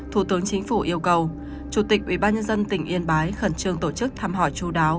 thủ tướng chính phủ yêu cầu chủ tịch ubnd tỉnh yên bái khẩn trương tổ chức thăm hỏi chú đáo